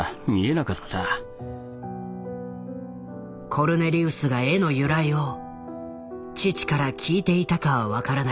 少なくともコルネリウスが絵の由来を父から聞いていたかは分からない。